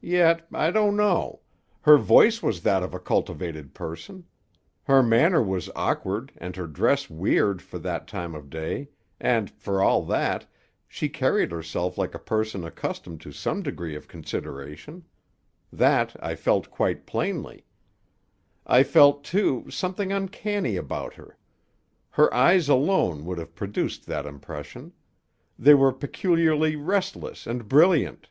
Yet, I don't know: her voice was that of a cultivated person. Her manner was awkward and her dress weird for that time of day, and, for all that, she carried herself like a person accustomed to some degree of consideration. That I felt quite plainly. I felt, too, something uncanny about her. Her eyes alone would have produced that impression. They were peculiarly restless and brilliant."